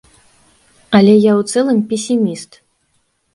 Але я ў цэлым песіміст.